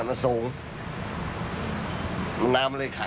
ก็ต้องเอาเครื่องสถานการณ์มีเปียกปีก